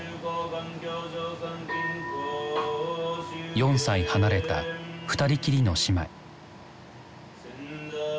４歳離れた２人きりの姉妹。